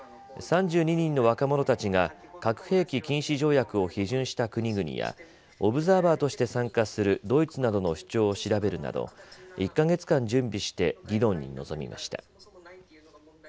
３２人の若者たちが核兵器禁止条約を批准した国々やオブザーバーとして参加するドイツなどの主張を調べるなど１か月間準備して議論に臨みました。